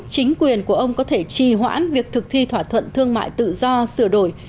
chính quyền của ông có thể trì hoãn việc thực thi thỏa thuận thương mại tự do sửa đổi